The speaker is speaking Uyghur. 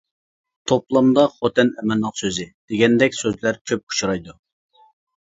توپلامدا خوتەن ئەمىرىنىڭ سۆزى، دېگەندەك سۆزلەر كۆپ ئۇچرايدۇ.